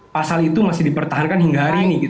pasal itu masih dipertahankan hingga hari ini